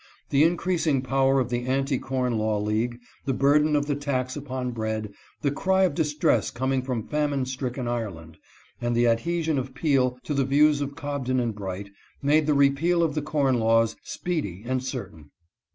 The increasing power of the anti corn law league, the burden of the tax upon bread, the cry of dis tress coming from famine stricken Ireland, and the ad hesion of Peel to the views of Cobden and Bright, made the repeal of the corn laws speedy and certain.